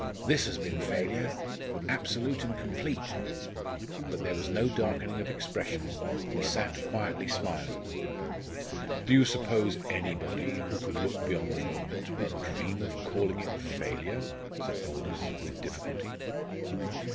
This has been failure absolute and complete." But there was no darkening of expression. He sat quietly smiling. "Do you suppose anybody who could look beyond the moment would dream of calling it failure?" said Aldous, with difficulty.